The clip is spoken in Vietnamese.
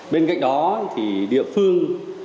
bên cạnh đó thì địa phương